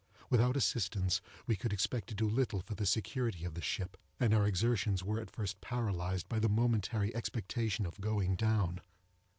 Without assistance, we could expect to do little for the security of the ship, and our exertions were at first paralyzed by the momentary expectation of going down.